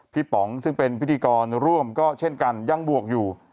ป๋องซึ่งเป็นพิธีกรร่วมก็เช่นกันยังบวกอยู่